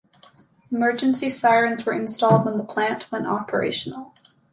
Emergency sirens were installed when the plant went operational.